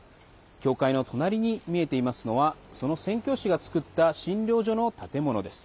教会の隣に見えていますのはその宣教師が作った診療所の建物です。